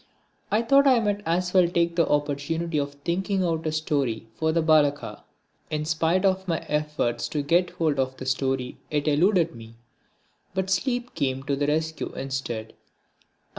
I thought I might as well take this opportunity of thinking out a story for the Balaka. In spite of my efforts to get hold of the story it eluded me, but sleep came to the rescue instead.